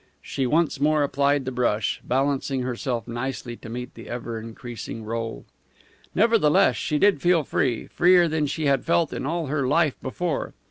She once more applied the brush, balancing herself nicely to meet the ever increasing roll. Nevertheless, she did feel free, freer than she had felt in all her life before.